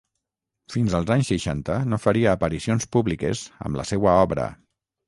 Fins als anys seixanta no faria aparicions públiques amb la seua obra.